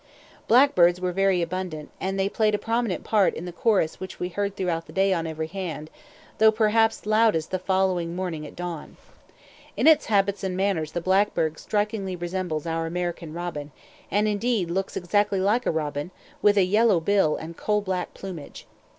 Blackbirds were very abundant, and they played a prominent part in the chorus which we heard throughout the day on every hand, though perhaps loudest the following morning at dawn. In its habits and manners the blackbird strikingly resembles our American robin, and indeed looks exactly like a robin, with a yellow bill and coal black plumage.